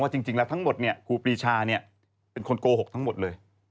จริงแล้วทั้งหมดครูปรีชาเป็นคนโกหกทั้งหมดเลย